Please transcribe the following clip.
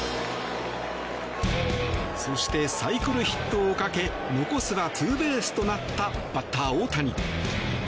そしてサイクルヒットをかけ残すはツーベースとなったバッター大谷。